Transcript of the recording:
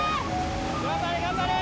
頑張れ頑張れ！